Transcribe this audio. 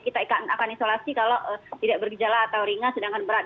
kita akan isolasi kalau tidak bergejala atau ringan sedangkan berat